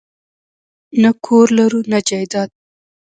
نه کور لرو نه جایداد